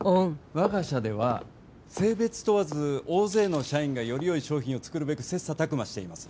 我が社では、性別問わず大勢の社員が、よりよい商品を作るべく切磋琢磨しています。